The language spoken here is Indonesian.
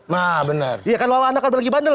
nah benar iya kan kalau anaknya lagi bandel